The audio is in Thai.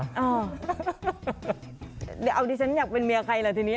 เดี๋ยวดิฉันอยากเป็นเมียใครล่ะทีนี้